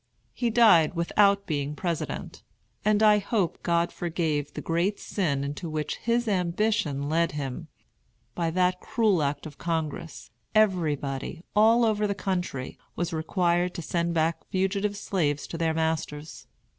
He died without being President; and I hope God forgave the great sin into which his ambition led him. By that cruel act of Congress, everybody, all over the country, was required to send back fugitive slaves to their masters.